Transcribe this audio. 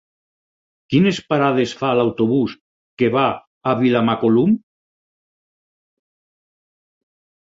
Quines parades fa l'autobús que va a Vilamacolum?